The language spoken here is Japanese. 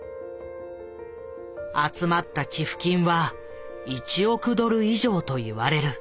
集まった寄付金は１億ドル以上といわれる。